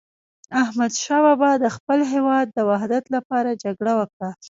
احمد شاه بابا د خپل هیواد د وحدت لپاره جګړه وکړه.